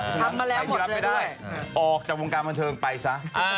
ทำอะไรที่รับไม่ได้ออกจากวงการบันเทิงไปซะ